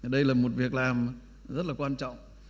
đây là một việc làm rất là quan trọng